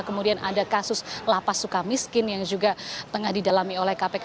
kemudian ada kasus lapas suka miskin yang juga tengah didalami oleh kpk